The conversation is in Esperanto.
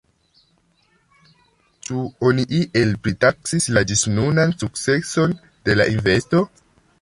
Ĉu oni iel pritaksis la ĝisnunan sukceson de la investo?